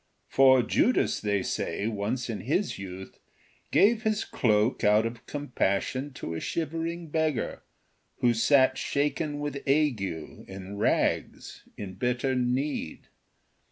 For Judas, they say, once in his youth, gave his cloak, out of compassion, to a shivering beggar, who sat shaken with ague, in rags, in bitter need.